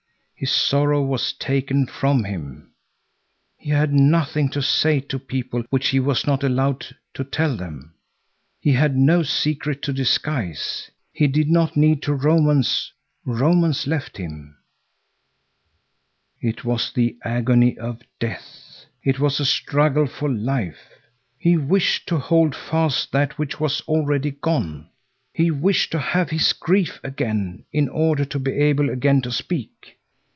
His sorrow was taken from him. He had nothing to say to people which he was not allowed to tell them. He had no secret to disguise. He did not need to romance. Romance left him. It was the agony of death; it was a struggle for life. He wished to hold fast that which was already gone. He wished to have his grief again in order to be able again to speak.